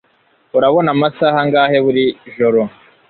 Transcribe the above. Urabona amasaha angahe buri joro